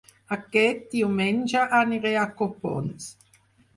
Aquest diumenge aniré a Copons